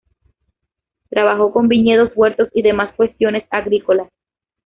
Trabajó con viñedos, huertos y demás cuestiones agrícolas.